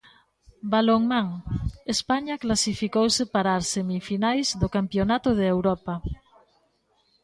Balonmán: España clasificouse para as semifinais do campionato de Europa.